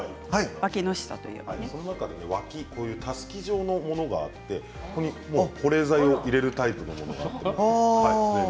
こういうたすき状のものがあって保冷剤を入れるタイプのものもあります。